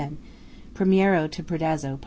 PRIMIERO TO PREDAZZO.